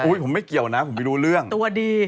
ผมไม่เกี่ยวนะผมไม่รู้เรื่องตัวดี